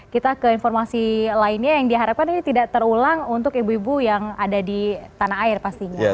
kita ke informasi lainnya yang diharapkan ini tidak terulang untuk ibu ibu yang ada di tanah air pastinya